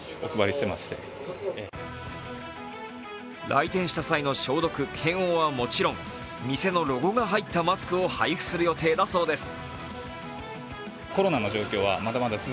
来店した際の消毒・検温はもちろん店のロゴが入ったマスクを配付する予定だそうです。